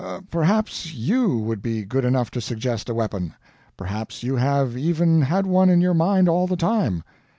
Perhaps YOU would be good enough to suggest a weapon? Perhaps you have even had one in your mind all the time?"